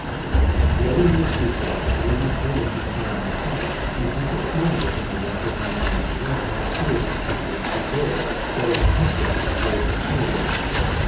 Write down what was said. The other Ministers' wives were not born to charm the sight, and people smiled when they read that Madame Labillette had appeared at the Presidency Ball wearing a headdress of birds of paradise.